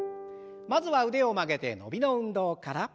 まずは腕を曲げて伸びの運動から。